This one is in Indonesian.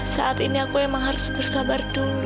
saat ini aku emang harus bersabar dulu